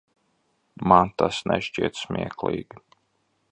Man tas nešķiet smieklīgi.